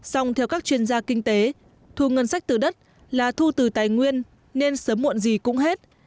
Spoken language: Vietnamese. xong theo các chuyên gia kinh tế thu ngân sách từ đất là thu từ tài nguyên nên sớm muộn gì cũng hết